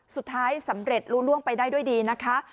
สุดท้ายสำเร็จลุ้งไปได้ด้วยดีนะคะ